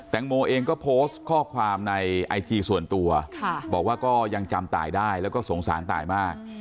โมเองก็โพสต์ข้อความในไอจีส่วนตัวบอกว่าก็ยังจำตายได้แล้วก็สงสารตายมาก